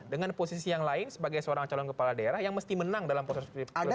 dengan posisi yang lain sebagai seorang calon kepala daerah yang mesti menang dalam proses pilkada